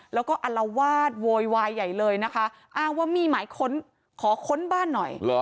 แล้วก็อลวาดโวยวายใหญ่เลยนะคะอ้างว่ามีหมายค้นขอค้นบ้านหน่อย